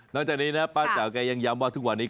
จากนี้นะป้าแจ๋วแกยังย้ำว่าทุกวันนี้